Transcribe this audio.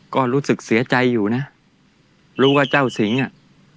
ก็รู้สึกเสียใจอยู่นะรู้ว่าเจ้าสิงห์อ่ะ